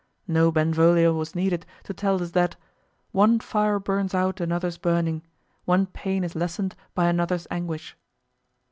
No Benvolio was needed to tell us that "One fire burns out another's burning: One pain is lessened by another's anguish."